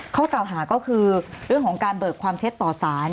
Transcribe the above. ข้อกล่าวหาก็คือเรื่องของการเบิกความเท็จต่อสาร